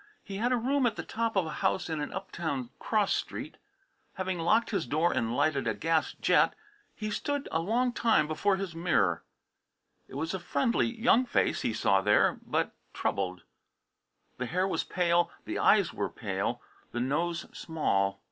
He had a room at the top of a house in an uptown cross street. Having locked his door and lighted a gas jet he stood a long time before his mirror. It was a friendly young face he saw there, but troubled. The hair was pale, the eyes were pale, the nose small.